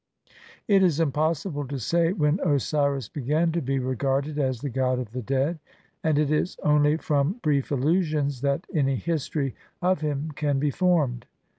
It is impossible to say when Osiris began to be regarded as the god of the dead, and it is only from brief allusions that any history of him can be formed.